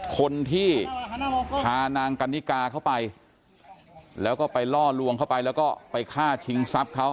คนที่พานางกันนิกาเข้าไปแล้วก็ไปล่อลวงเข้าไปแล้วก็ไปฆ่าชิงทรัพย์เขา